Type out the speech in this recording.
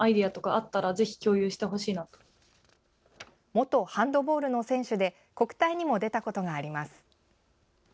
元ハンドボールの選手で国体にも出たことがあります。